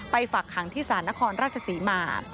ฝักขังที่ศาลนครราชศรีมา